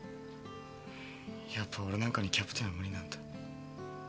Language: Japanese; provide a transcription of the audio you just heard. やっぱ俺なんかにキャプテンは無理なんだ。